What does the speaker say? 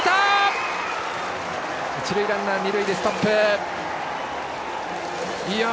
一塁ランナー、二塁でストップ。